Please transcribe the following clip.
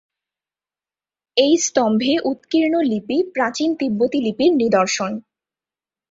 এই স্তম্ভে উৎকীর্ণ লিপি প্রাচীন তিব্বতী লিপির নিদর্শন।